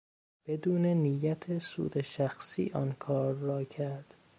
بدون نیت سود شخصی آن کار را کرد.